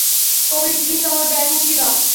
কবির, please আমার bag উঠিয়ে দাও।